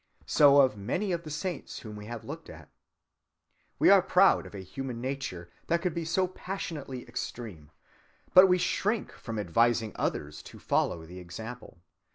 So of many of the saints whom we have looked at. We are proud of a human nature that could be so passionately extreme, but we shrink from advising others to follow the example.